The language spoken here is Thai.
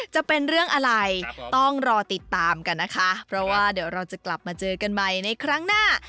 จะเป็นเรื่องอะไรต้องรอติดตามกันนะคะเพราะว่าเดี๋ยวเราจะกลับมาเจอกันใหม่ในครั้งหน้า